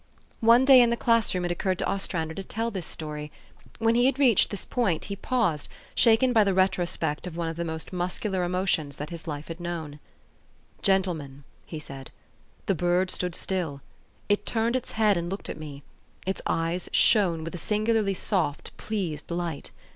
One day in the class room it occurred to Ostran der to tell this story. When he had reached this point he paused, shaken by the retrospect of one of the most muscular emotions that his life had known. " Gentlemen," he said, " the bird stood still. It turned its head and looked at me : its eyes shone with a singularly soft, pleased light.